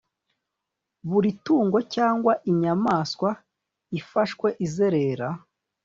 buri tungo cyangwa inyamaswa ifashwe izerera